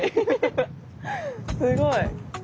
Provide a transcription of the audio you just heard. すごい。